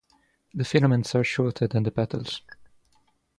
The filaments are shorter than the petals.